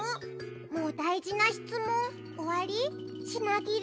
もうだいじなしつもんおわり？しなぎれ？